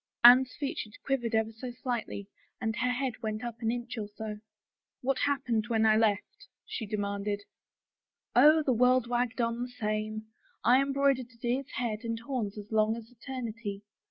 " Anne's features quivered ever so slightly and her head went up an inch or so. " What happened when I left ?" she demanded. " Oh, the world wagged on the same. I embroidered a deer's head and horns as long as eternity.